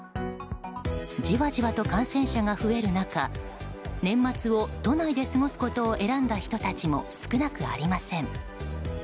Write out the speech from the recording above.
じわじわと感染者が増える中年末を都内で過ごすことを選んだ人たちも少なくありません。